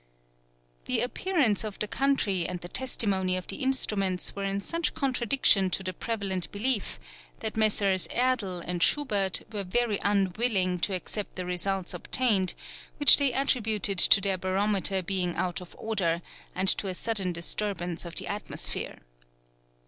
The appearance of the country and the testimony of the instruments were in such contradiction to the prevalent belief, that Messrs. Erdl and Schubert were very unwilling to accept the results obtained, which they attributed to their barometer being out of order and to a sudden disturbance of the atmosphere.